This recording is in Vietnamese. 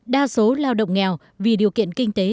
đa số lao động nghèo vì điều kiện kinh tế